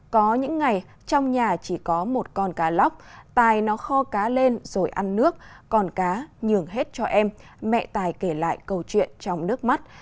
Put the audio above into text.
có những ngày trong nhà chỉ có một con cá lóc tài nó kho cá lên rồi ăn nước còn cá nhường hết cho em mẹ tài kể lại câu chuyện trong nước mắt